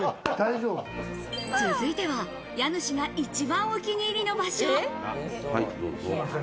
続いては家主が一番お気に入りの場所。